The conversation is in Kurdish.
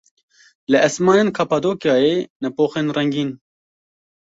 Li esmanên Kapadokyayê nepoxên rengîn.